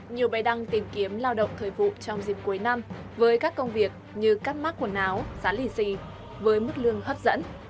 nhiều bài đăng tìm kiếm lao động thời vụ trong dịp cuối năm với các công việc như cắt mắt quần áo giá lì xì với mức lương hấp dẫn